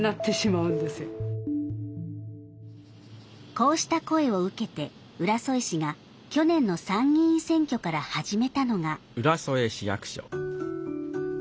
こうした声を受けて浦添市が去年の参議院選挙から始めたのが。